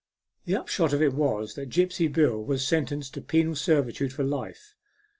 The upshot of it was that Gripsy Bill was sentenced to penal servitude for life.